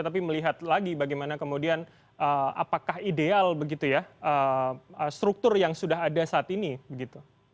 tapi melihat lagi bagaimana kemudian apakah ideal struktur yang sudah ada saat ini